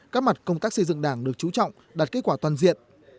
các mặt công tác xây dựng đảng được chú trọng đạt kết quả toàn diện